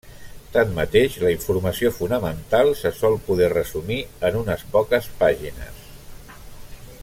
Tanmateix, la informació fonamental se sol poder resumir en unes poques pàgines.